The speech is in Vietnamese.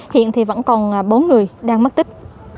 hiện vẫn còn bốn người đang mất tích